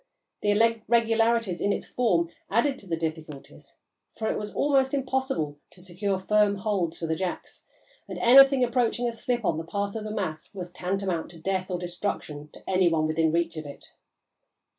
The irregularities in its form added to the difficulties, for it was almost impossible to secure firm holds for the jacks, and anything approaching a slip on the part of the mass was tantamount to death or destruction to any one within reach of it.